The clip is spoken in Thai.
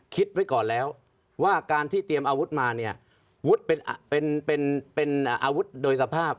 คิดไว้ก่อนแล้วว่าการที่เตรียมอาวุธมาเนี่ยวุฒิเป็นอาวุธโดยสภาพ